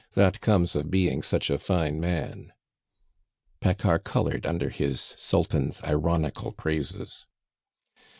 That comes of being such a fine man!" Paccard colored under his sultan's ironical praises.